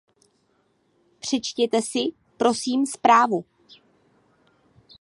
Přečtěte si, prosím, zprávu.